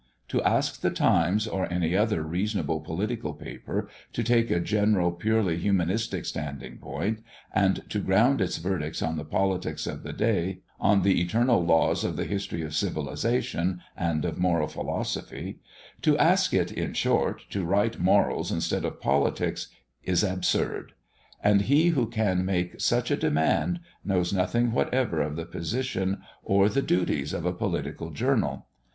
To ask the Times, or any other reasonable political paper, to take a general purely humanistic standing point, and to ground its verdicts on the politics of the day, on the eternal laws of the history of civilization, and of moral philosophy; to ask it, in short, to write morals instead of politics, is absurd; and he who can make such a demand, knows nothing whatever of the position or the duties of a political journal.